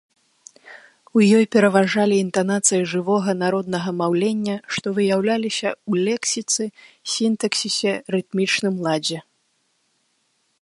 У ёй пераважалі інтанацыі жывога народнага маўлення, што выяўляліся ў лексіцы, сінтаксісе, рытмічным ладзе.